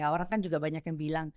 orang kan juga banyak yang bilang